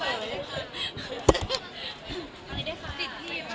เหนื่อยนี้ด้วยค่ะ